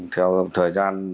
theo thời gian